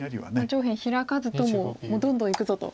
上辺ヒラかずとももうどんどんいくぞと。